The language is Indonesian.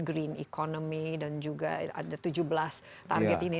green economy dan juga ada tujuh belas target ini